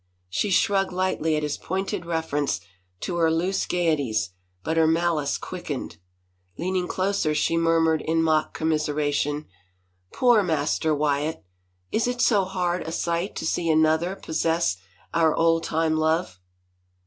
She shrugged lightly at his pointed reference to her loose gayeties, but her malice quickened. Leaning closer she murmured in mock commiseration, " Poor Master Wyatt! Is it so hard a sight to see another possess our old time love